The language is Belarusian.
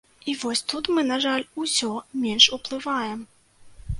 І вось тут мы, на жаль, усё менш уплываем.